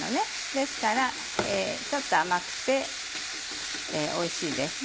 ですからちょっと甘くておいしいです。